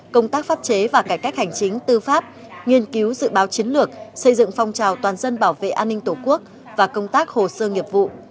công tác pháp chế và cải cách hành chính tư pháp nghiên cứu dự báo chiến lược xây dựng phong trào toàn dân bảo vệ an ninh tổ quốc và công tác hồ sơ nghiệp vụ